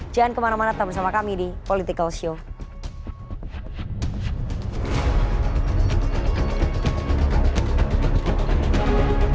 jangan kemana mana tetap bersama kami di politikalshow